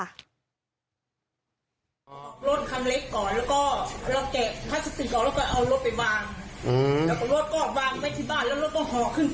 แล้วเราก็รถขังเล็กก่อน